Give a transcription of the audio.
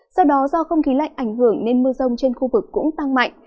sau đó do không khí lạnh ảnh hưởng nên mưa rông trên khu vực cũng tăng mạnh